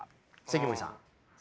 関森さん。